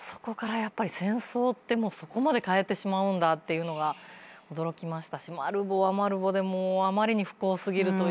戦争ってそこまで変えてしまうんだというのが驚きましたしマルヴォはマルヴォであまりに不幸過ぎるというか。